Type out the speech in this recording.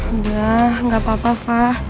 udah gak papa pa